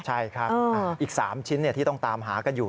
ใช่ครับอีก๓ชิ้นที่ต้องตามหากันอยู่